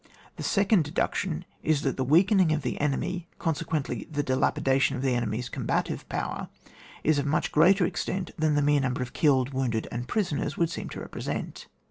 The second deduction is that the weakening of the enemy, conse quently the dilapidation of the enemxfi combative power, is of much greater extent than the mere number of kiUed, wounded, and prisoners would seem to represent.